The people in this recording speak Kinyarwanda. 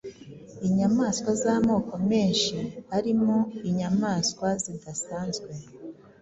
inyamaswa z’ amoko menshi arimo inyamaswa zidasanzwe